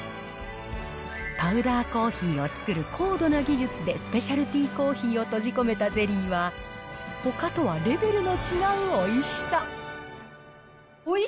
パウダーコーヒーを作る高度な技術で、スペシャルティコーヒーを閉じ込めたゼリーは、ほかとはレベルのおいしい！